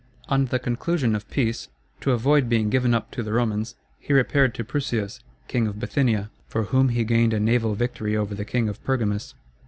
On the conclusion of peace, to avoid being given up to the Romans, he repaired to Prusias, king of Bithynia, for whom he gained a naval victory over the king of Pergamus.